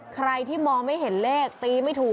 ใครที่มองไม่เห็นเลขตีไม่ถูก